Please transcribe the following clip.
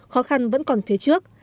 khó khăn vẫn còn phía trước